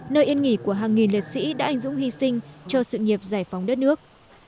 nơi yên nghỉ của hàng nghìn liệt sĩ đã anh dũng hy sinh cho sự nghiệp giải phóng đất nước